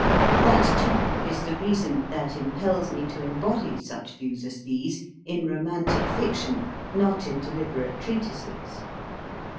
That, too, is the reason that impels me to embody such views as these in romantic fiction, not in deliberate treatises.